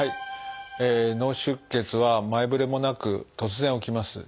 脳出血は前触れもなく突然起きます。